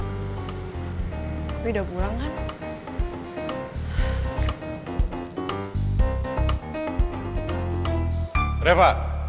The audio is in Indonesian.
gue bisa nyampein rekaman itu ke bawah kamu